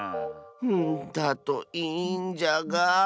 うんだといいんじゃが。